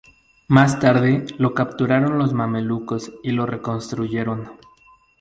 Más tarde, lo capturaron los mamelucos y lo reconstruyeron.